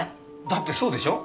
だってそうでしょ？